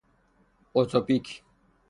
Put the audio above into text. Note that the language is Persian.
اتوپیک